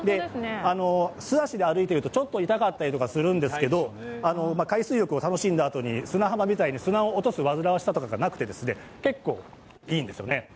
素足で歩いているとちょっと痛かったりとかするんですけど海水浴を楽しんだあとに、砂を落とすわずらわしさがなくて結構いいんですよね。